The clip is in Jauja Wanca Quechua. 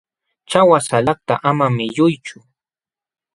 ćhawa salakta ama mikuychu.